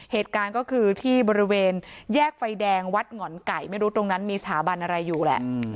เหตุการณ์ก็คือที่บริเวณแยกไฟแดงวัดหง่อนไก่ไม่รู้ตรงนั้นมีสถาบันอะไรอยู่แหละ